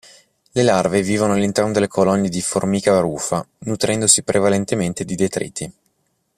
Le larve vivono all'interno delle colonie di "Formica rufa" nutrendosi prevalentemente di detriti.